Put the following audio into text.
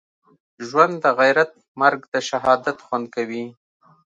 ژوند دغیرت مرګ دښهادت خوند کوی